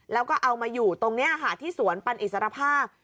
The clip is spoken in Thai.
แล้วก็เอามาอยู่ตรงนี้ค่ะที่สวนปันอิสรภาพ